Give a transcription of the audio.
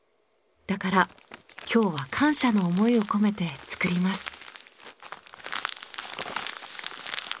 だから今日は感謝の思いを込めて作ります。